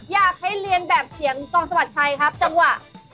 อยากให้เรียนแบบเสียงกองสวัสดิ์ชัยครับจังหวะ